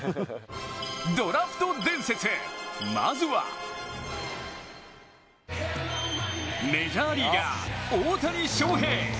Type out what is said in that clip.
ドラフト伝説、まずはメジャーリーガー・大谷翔平。